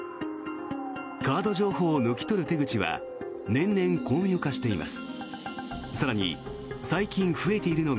カード情報を抜き取る手口は年々巧妙化しています。